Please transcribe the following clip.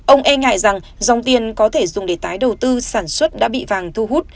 ông e ngại rằng dòng tiền có thể dùng để tái đầu tư sản xuất đã bị vàng thu hút